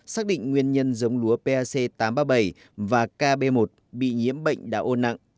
xác định nguyên nhân giống lúa pac tám trăm ba mươi bảy và kb một bị nhiễm bệnh đạo ôn nặng